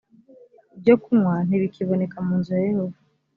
ibyo kunywa ntibikiboneka mu nzu ya yehova